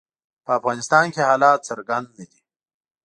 په افغانستان کې حالات څرګند نه دي.